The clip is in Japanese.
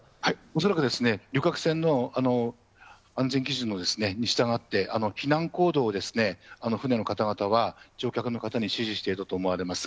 恐らく、旅客船の安全基準に従って、避難行動を船の方々は、乗客の方に指示していたと思われます。